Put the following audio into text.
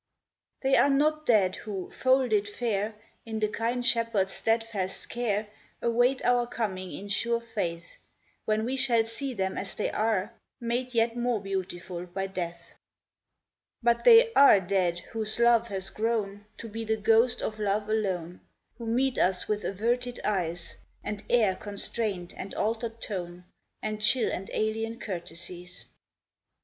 They are not dead who, folded fair In the kind Shepherd's steadfast care, Await our coming in sure faith, When we shall see them as they are, Made yet more beautiful by death. 144 LIVING OR DEAD But they are dead whose love has grown To be the ghost of love alone, Who meet us with averted eyes, And air constrained and altered tone, And chill and alien courtesies.